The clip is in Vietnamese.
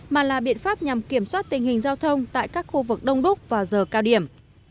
mà là biện pháp nhằm kiểm soát tình hình giao thông tại các khu vực đông đúc vào giờ cao điểm